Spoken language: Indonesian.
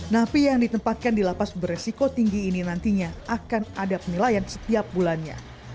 napi yang ditempatkan di lapas beresiko tinggi ini nantinya akan ada penilaian setiap bulannya